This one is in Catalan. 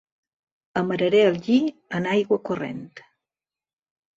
Amararé el lli en aigua corrent.